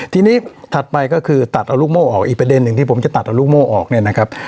ทีนี้ถัดไปก็คือตัดเอาลูกโม่ออกอีกประเด็นหนึ่งที่ผมจะตัดเอาลูกโม่ออกเนี่ยนะครับ